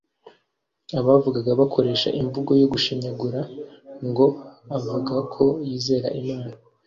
Abavugaga bakoresha imvugo yo gushinyagura ngo: "avuga ko yizera Imana,